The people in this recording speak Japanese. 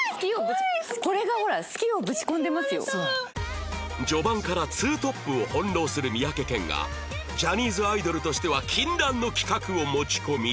これがほら序盤からツートップを翻弄する三宅健がジャニーズアイドルとしては禁断の企画を持ち込み